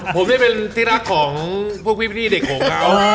ผมนี่เป็นที่รักของพวกพี่เด็กของเขา